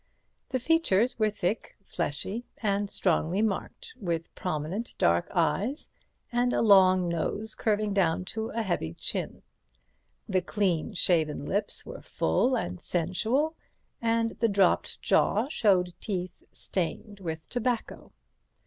The features were thick, fleshy and strongly marked, with prominent dark eyes, and a long nose curving down to a heavy chin. The clean shaven lips were full and sensual, and the dropped jaw showed teeth stained with tobacco.